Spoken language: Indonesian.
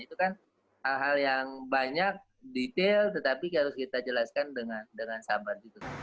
itu kan hal hal yang banyak detail tetapi harus kita jelaskan dengan sabar